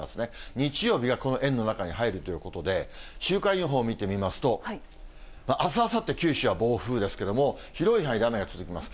日曜日がこの円の中に入るということで、週間予報見てみますと、あす、あさって、九州は暴風雨ですけども、広い範囲で雨が続きます。